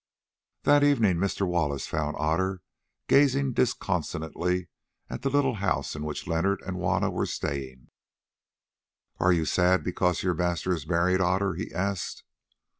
That evening Mr. Wallace found Otter gazing disconsolately at the little house in which Leonard and Juanna were staying. "Are you sad because your master is married, Otter?" he asked.